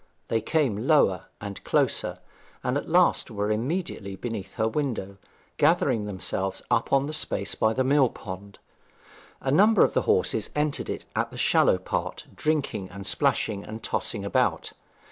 They came lower and closer, and at last were immediately beneath her window, gathering themselves up on the space by the mill pond. A number of the horses entered it at the shallow part, drinking and splashing and tossing about.